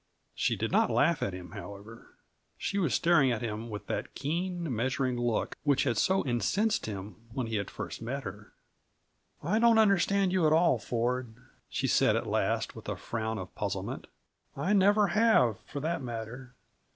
She did not laugh at him, however. She was staring at him with that keen, measuring look which had so incensed him, when he had first met her. "I don't understand you at all, Ford," she said at last, with a frown of puzzlement. "I never have, for that matter.